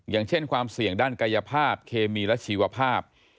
อย่างเช่นความเสี่ยงด้านกายภาพเคมีและชีวภาพ